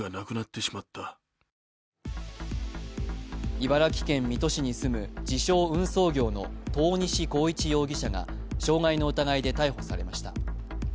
茨城県水戸市に住む自称・運送業の遠西幸一容疑者が、傷害の疑いで逮捕されました。